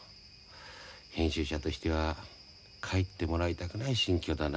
編集者としては帰ってもらいたくない心境だな。